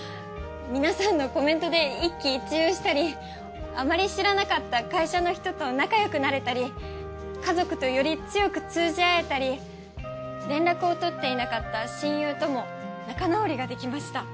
皆さんのコメントで一喜一憂したりあまり知らなかった会社の人と仲よくなれたり家族とより強く通じ合えたり連絡をとっていなかった親友とも仲直りができました。